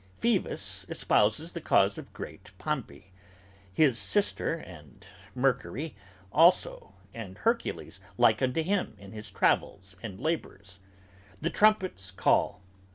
Phoebus espouses The cause of Great Pompey: his sister and Mercury also And Hercules like unto him in his travels and labors. The trumpets call!